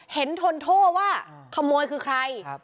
ทนโทษว่าขโมยคือใคร